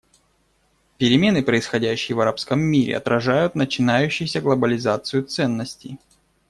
Перемены, происходящие в арабском мире, отражают начинающуюся глобализацию ценностей.